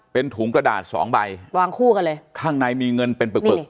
เป็นถุงกระดาษสองใบวางคู่กันเลยข้างในมีเงินเป็นปึกปึก